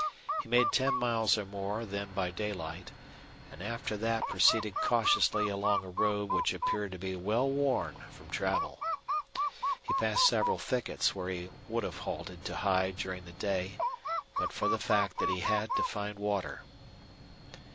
He made ten miles or more then by daylight, and after that proceeded cautiously along a road which appeared to be well worn from travel. He passed several thickets where he would have halted to hide during the day but for the fact that he had to find water.